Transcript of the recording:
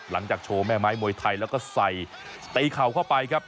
หลังจากโชว์แม่ไม้มวยไทยแล้วก็ใส่ตีเข่าเข้าไปครับ